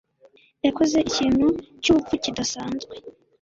yakoze ikintu cyubupfu kidasanzwe.